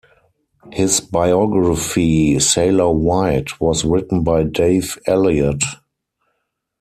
His biography "Sailor White" was written by Dave Elliott.